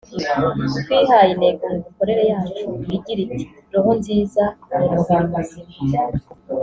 twihaye intego mu mikorere yacu igira iti ’Roho nziza mu mubiri muzima’”